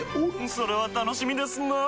それは楽しみですなぁ。